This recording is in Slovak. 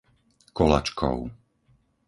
Kolačkov